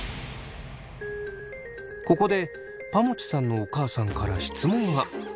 ここでぱもちさんのお母さんから質問が。